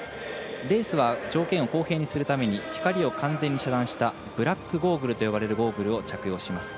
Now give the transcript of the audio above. レースは条件を公平にするために光を完全に遮断したブラックゴーグルと呼ばれるゴーグルを着用します。